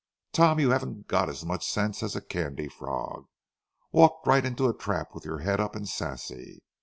Tom, you haven't, got as much sense as a candy frog. Walked right into a trap with your head up and sassy.